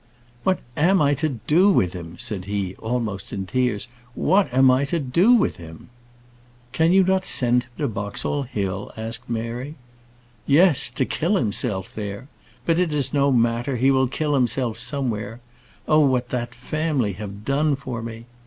"What am I to do with him?" said he, almost in tears: "what am I to do with him?" "Can you not send him to Boxall Hill?" asked Mary. "Yes; to kill himself there! But it is no matter; he will kill himself somewhere. Oh! what that family have done for me!"